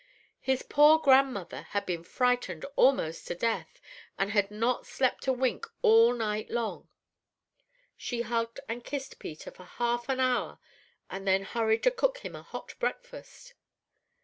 His poor grandmother had been frightened almost to death, and had not slept a wink all night long; she hugged and kissed Peter for half an hour and then hurried to cook him a hot breakfast.